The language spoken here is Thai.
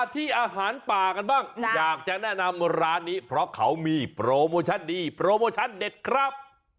ที่อาหารป่ากันบ้างอยากจะแนะนำร้านนี้เพราะเขามีโปรโมชั่นดีโปรโมชั่นเด็ดครับ